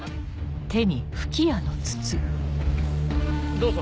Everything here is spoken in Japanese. ・どうぞ。